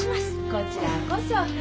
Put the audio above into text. こちらこそ。